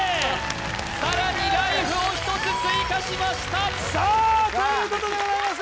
さらにライフを１つ追加しましたさあということでございます